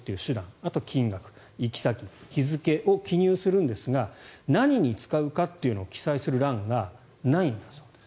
あとは金額行き先、日付を記入するんですが何に使うかというのを記載する欄がないんだそうです。